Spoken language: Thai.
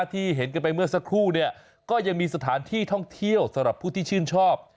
ที่เห็นกันไปเมื่อสักครู่เนี่ยก็ยังมีสถานที่ท่องเที่ยวสำหรับผู้ที่ชื่นชอบ